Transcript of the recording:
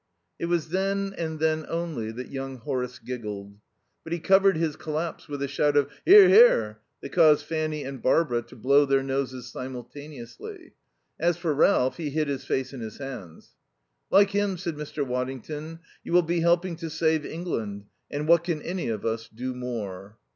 It was then, and then only, that young Horace giggled. But he covered his collapse with a shout of "Hear! Hear!" that caused Fanny and Barbara to blow their noses simultaneously. As for Ralph, he hid his face in his hands. "Like him," said Mr. Waddington, "you will be helping to save England. And what can any of us do more?"